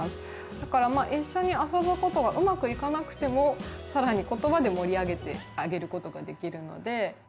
だからまあ一緒に遊ぶことがうまくいかなくても更に言葉で盛り上げてあげることができるので。